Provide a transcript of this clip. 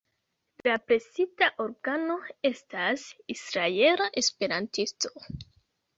La presita organo estas "Israela Esperantisto".